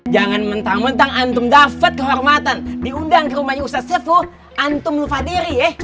jangan mentang mentang antum dapat kehormatan diundang ke rumahnya ustadz sefu antum lupa diri ya